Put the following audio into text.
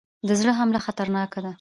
د زړه حمله خطرناکه ده